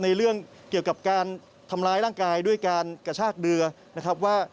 เรื่องเกี่ยวกับการทำร้ายร่างกายด้วยการกระชากเรือนะครับว่า